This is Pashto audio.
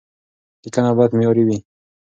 لیکنه باید معیاري وي.